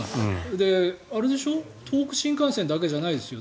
東北新幹線だけじゃないですよ。